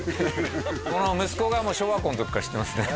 この息子がもう小学校の時から知ってますね